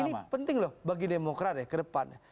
ini penting loh bagi demokrat ya ke depannya